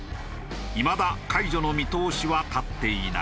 いまだ解除の見通しは立っていない。